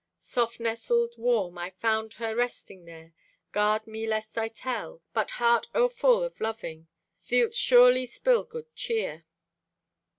Soft nestled, warm, I found her resting there. Guard me lest I tell; But, heart o'erfull of loving, Thee'lt surely spill good cheer!